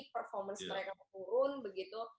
performance mereka turun begitu